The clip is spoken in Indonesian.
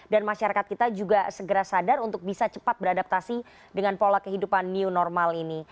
dan masyarakat kita juga segera sadar untuk bisa cepat beradaptasi dengan pola kehidupan new normal ini